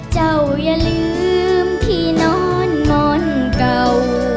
เจ้าอย่าลืมที่นอนมนต์เก่า